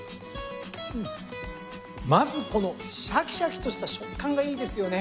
まずこのシャキシャキとした食感がいいですよね。